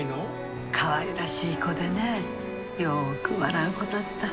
かわいらしい子でねよく笑う子だった。